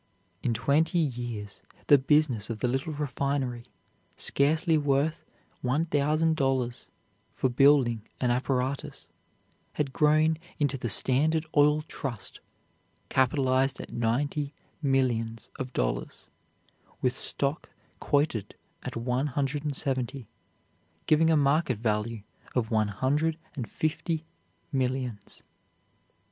In twenty years the business of the little refinery, scarcely worth one thousand dollars for building and apparatus, had grown into the Standard Oil Trust, capitalized at ninety millions of dollars, with stock quoted at 170, giving a market value of one hundred and fifty millions.